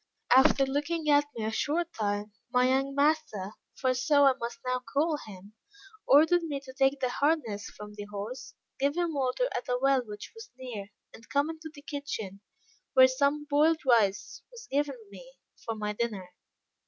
After looking at me a short time, my young master (for so I must now call him) ordered me to take the harness from the horse, give him water at a well which was near, and come into the kitchen, where some boiled rice was given me for my dinner.